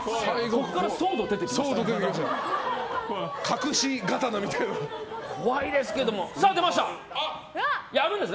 ここからソード出てきましたね。